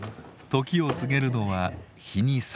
時を告げるのは日に３回。